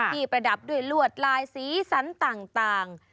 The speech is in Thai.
ประดับด้วยลวดลายสีสันต่าง